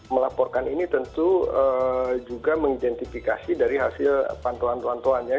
melaporkan ini tentu juga mengidentifikasi dari hasil pantulan pantulannya